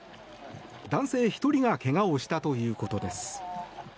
男性１人がけがをしたということです。